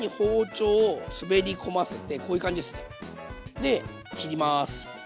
で切ります。